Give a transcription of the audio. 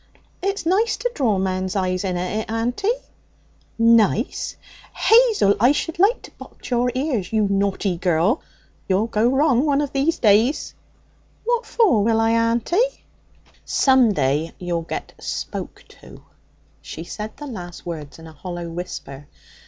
'It's nice to draw men's eyes, inna it, auntie?' 'Nice! Hazel, I should like to box your ears! You naughty girl! You'll go wrong one of these days.' 'What for will I, auntie?' 'Some day you'll get spoke to!' She said the last words in a hollow whisper.